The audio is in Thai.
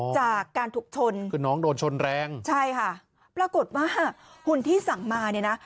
จากการถูกชนคือน้องโดนชนแรงใช่ค่ะปรากฏว่าหุ่นที่สั่งมาเนี่ยนะ